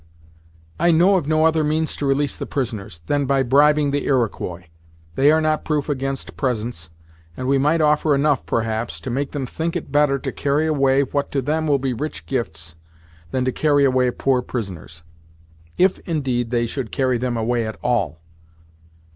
"I know of no other means to release the prisoners, than by bribing the Iroquois. They are not proof against presents, and we might offer enough, perhaps, to make them think it better to carry away what to them will be rich gifts, than to carry away poor prisoners; if, indeed, they should carry them away at all!"